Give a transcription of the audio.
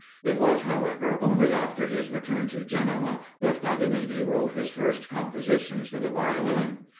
It was, however, only after his return to Genoa, that Paganini wrote his first compositions for the Violin.